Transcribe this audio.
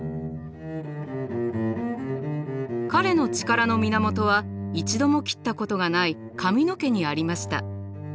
彼の力の源は一度も切ったことがない髪の毛にありました。